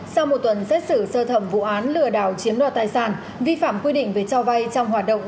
sau một tuần xét xử sơ thẩm vụ án lừa đảo chiếm đoạt tài sản vi phạm quy định về cho vay trong hoạt động